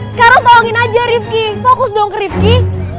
sekarang tolongin aja rizky fokus dong ke rizky